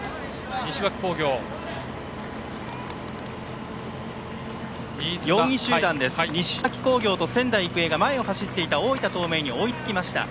西脇工業と仙台育英が前を走っていた大分東明に追いつきました。